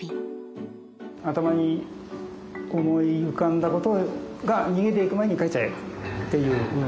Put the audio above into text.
頭に思い浮かんだことが逃げていく前に書いちゃえっていう。